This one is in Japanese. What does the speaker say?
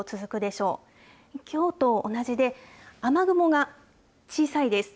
きょうと同じで、雨雲が小さいです。